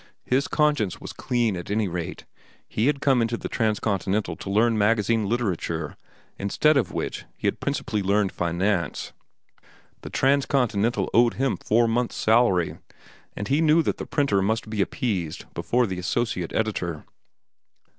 His conscience was clean at any rate. He had come into the Transcontinental to learn magazine literature, instead of which he had principally learned finance. The Transcontinental owed him four months' salary, and he knew that the printer must be appeased before the associate editor.